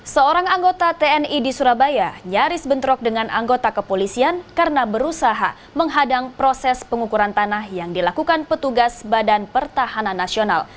seorang anggota tni di surabaya nyaris bentrok dengan anggota kepolisian karena berusaha menghadang proses pengukuran tanah yang dilakukan petugas badan pertahanan nasional